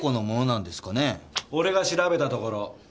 俺が調べたところ